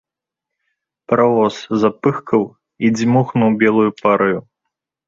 Паравоз запыхкаў і дзьмухнуў белаю параю.